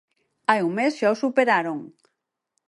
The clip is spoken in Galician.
Hai un mes xa os superaron.